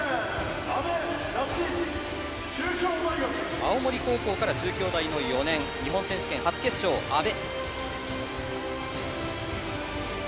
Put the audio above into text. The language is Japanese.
青森高校から中京大４年日本選手権、初決勝の阿部。